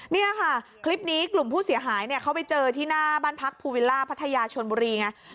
นี่ค่ะคลิปนี้กลุ่มผู้เสียหายเนี่ยเขาไปเจอที่หน้าบ้านพักภูวิลล่าพัทยาชนบุรีไง